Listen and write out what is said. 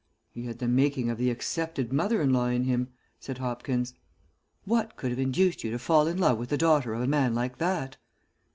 "He had the making of the accepted mother in law in him," said Hopkins. "What could have induced you to fall in love with the daughter of a man like that?"